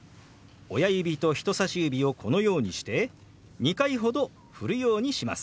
親指と人さし指をこのようにして２回ほどふるようにします。